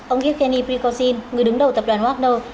ông yevgeny prikosin người đứng đầu tập đoàn wagner